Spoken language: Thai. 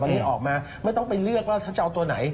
ตอนนี้ออกมาไม่ต้องไปเลือกว่าฉันจะเอาตัวไหน